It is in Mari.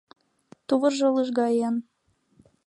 «Тувыржо лыжгаен.